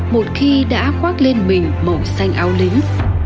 một khi đã khoác lên mình màu xanh ao lính